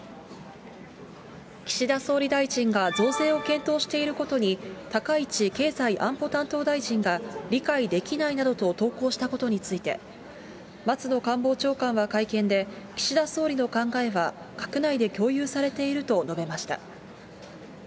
岸田総理大臣が増税を検討していることに、高市経済安保担当大臣が理解できないなどと投稿したことについて、松野官房長官は会見で、岸田総理の考えは、閣内で共有されていると述べました。